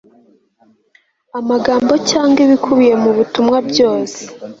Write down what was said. amagambo cyangwa ibikubiye mu butumwa byose